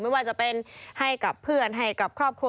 ไม่ว่าจะเป็นให้กับเพื่อนให้กับครอบครัว